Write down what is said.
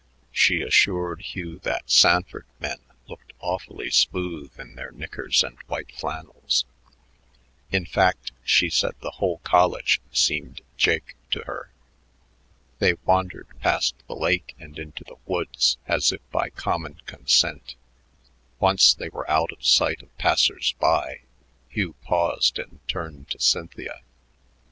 She assured Hugh that Sanford men looked awfully smooth in their knickers and white flannels; in fact, she said the whole college seemed jake to her. They wandered past the lake and into the woods as if by common consent. Once they were out of sight of passers by, Hugh paused and turned to Cynthia.